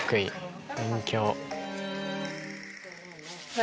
はい。